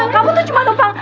kamu tuh cuma tumpang